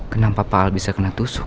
kenapa pak al bisa kena tusuk